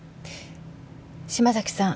島崎さん。